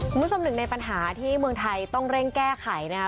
คุณผู้ชมหนึ่งในปัญหาที่เมืองไทยต้องเร่งแก้ไขนะคะ